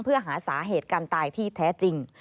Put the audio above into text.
เพื่อหาสาเหตุการตายที่แท้จริง